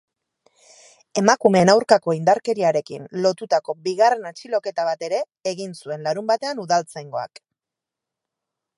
Emakumeen aurkako indarkeriarekin lotutako bigarren atxiloketa bat ere egin zuen larunbatean udaltzaingoak.